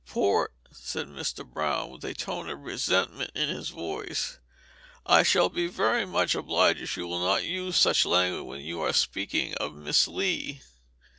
"Port," said Mr. Brown, with a tone of resentment in his voice, "I shall be very much obliged if you will not use such language when you are speaking of Miss Lee.